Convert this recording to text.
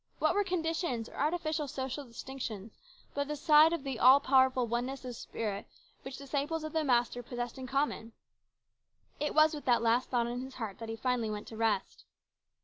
What were conditions or artificial social distinctions by the side of the all powerful oneness of spirit which disciples of the Master possessed in common ? It was with that last thought on his heart that he finally went to rest.